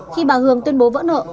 khi bà hường tuyên bố vỡ nợ